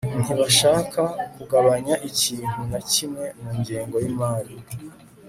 ntibashaka kugabanya ikintu na kimwe mu ngengo yimari